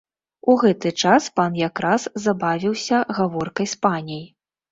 У гэты час пан якраз забавіўся гаворкай з паняй.